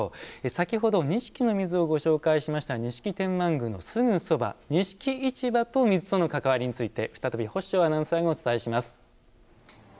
先ほど錦の水をご紹介しました錦天満宮のすぐそば錦市場と水との関わりについて再び、法性アナウンサーがお伝えします。